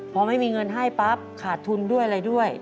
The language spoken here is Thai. พอไม่มีเงินให้ปั๊บขาดทุนด้วยอะไรด้วย